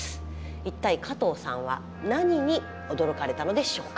一体加藤さんは何に驚かれたのでしょうか。